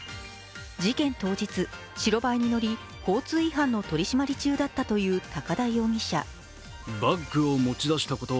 事件当日、白バイに乗り、交通違反の取り締まり中だったという高田容疑者。